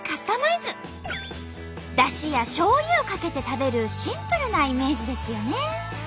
だしやしょうゆをかけて食べるシンプルなイメージですよね。